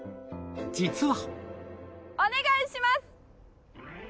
実は